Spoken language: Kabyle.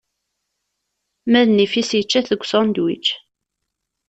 Ma d nnif-is yečča-t deg usandwič.